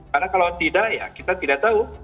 karena kalau tidak ya kita tidak tahu